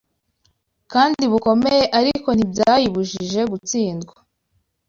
kandi bukomeye, ariko ntibyayibujije gutsindwa